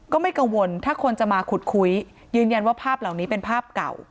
ก็ไม่กังวลถ้าคนจะมาขุดคุยยืนยันว่าภาพเหล่านี้เป็นภาพเก่า